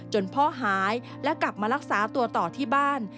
พ่อหายและกลับมารักษาตัวต่อที่บ้าน